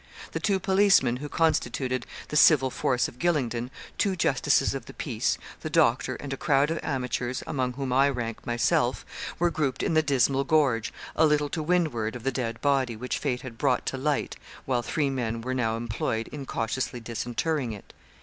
The two policemen who constituted the civil force of Gylingden, two justices of the peace, the doctor, and a crowd of amateurs, among whom I rank myself, were grouped in the dismal gorge, a little to windward of the dead body, which fate had brought to light, while three men were now employed in cautiously disinterring it.